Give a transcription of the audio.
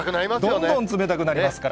どんどん冷たくなりますから。